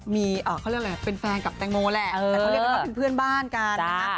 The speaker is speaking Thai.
มีเขาเรียกอะไรเป็นแฟนกับแตงโมแหละแต่เขาเรียกกันว่าเป็นเพื่อนบ้านกันนะคะ